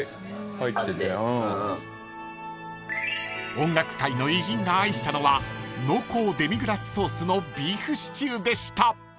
［音楽界の偉人が愛したのは濃厚デミグラスソースのビーフシチューでした］